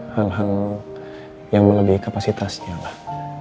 hal hal yang melebihi kapasitasnya lah